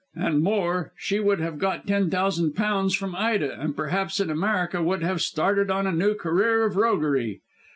And more, she would have got ten thousand pounds from Ida, and perhaps in America would have started on a new career of roguery.